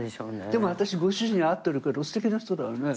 でも私ご主人に会ってるけどすてきな人だよね。